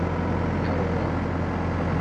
Yeṛwa.